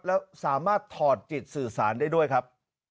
แล้วสามารถถอดจิตสื่อสารได้ด้วยครับ